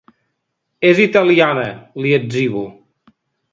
És italiana —li etzibo.